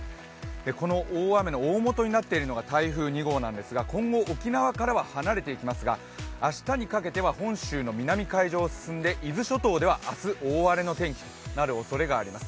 この大雨の大もとになっているのが台風２号なんですが今後、沖縄からは離れていきますが明日にかけては本州の南海上を進んで伊豆諸島では、明日、大荒れの天気となるおそれがあります。